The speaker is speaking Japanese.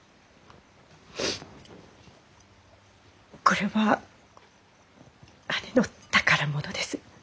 これは姉の宝物です。